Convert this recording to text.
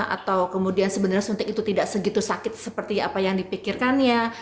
atau kemudian sebenarnya suntik itu tidak segitu sakit seperti apa yang dipikirkannya